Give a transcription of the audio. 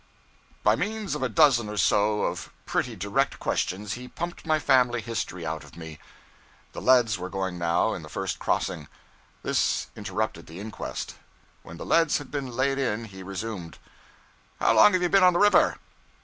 By means of a dozen or so of pretty direct questions, he pumped my family history out of me. The leads were going now, in the first crossing. This interrupted the inquest. When the leads had been laid in, he resumed 'How long you been on the river?'